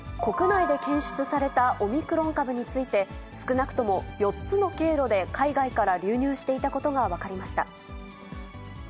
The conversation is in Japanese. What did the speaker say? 国内で検出されたオミクロン株について、少なくとも４つの経路で海外から流入していたことが分かりました。